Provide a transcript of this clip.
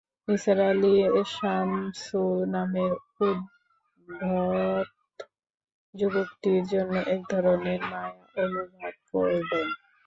নিসার আলি সামসু নামের উদ্ধত যুবকটির জন্যে এক ধরনের মায়া অনুভব করলেন।